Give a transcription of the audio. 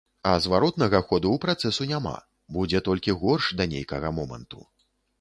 А зваротнага ходу ў працэсу няма, будзе толькі горш да нейкага моманту.